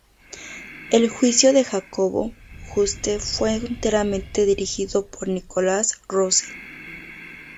El juicio de Jacobo Juste fue enteramente dirigido por Nicolás Rosell.